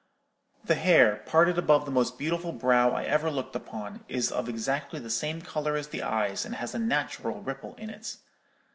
The hair, parted above the most beautiful brow I ever looked upon, is of exactly the same colour as the eyes, and has a natural ripple in it.